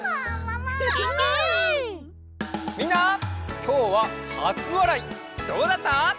きょうははつわらいどうだった？